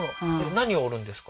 何を織るんですか？